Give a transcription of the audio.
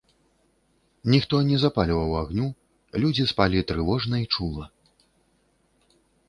Ніхто не запальваў агню, людзі спалі трывожна і чула.